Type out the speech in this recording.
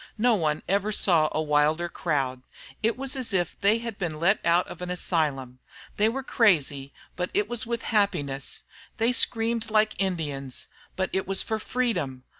No one ever saw a wilder crowd. It was as if they had been let out of an asylum. They were crazy, but it was with happiness. They screamed like Indians, but it was for freedom.